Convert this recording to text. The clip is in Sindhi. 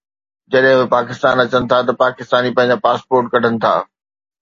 جڏهن اهي پاڪستان اچن ٿا ته پاڪستاني پنهنجا پاسپورٽ ڪڍن ٿا